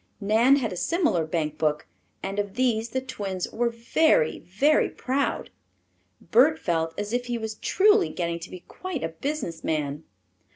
Nan had a similar bank book, and of these the twins were very, very proud. Bert felt as if he was truly getting to be quite a business man.